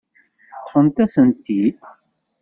Ṭṭfent-as-tent-id.